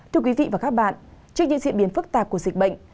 thưa quý vị và các bạn trước những diễn biến phức tạp của dịch bệnh